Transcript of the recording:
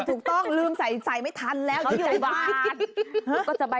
ถูกต้องลืมใส่ไม่ทันแล้วอยู่บ้านเขาอยู่บ้าน